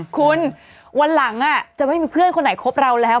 คุณวันหลังจะไม่มีเพื่อนคนไหนคบเราแล้ว